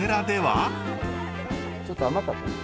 ちょっと甘かった。